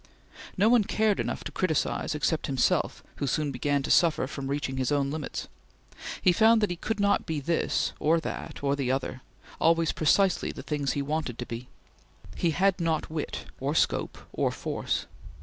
No one cared enough to criticise, except himself who soon began to suffer from reaching his own limits. He found that he could not be this or that or the other; always precisely the things he wanted to be. He had not wit or scope or force.